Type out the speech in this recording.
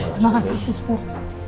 terima kasih sister